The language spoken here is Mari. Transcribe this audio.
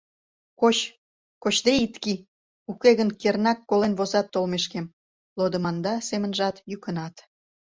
— Коч, кочде ит кий, уке гын кернак колен возат толмешкем, — лодыманда семынжат, йӱкынат.